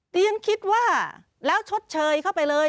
เรียนคิดว่าแล้วชดเชยเข้าไปเลย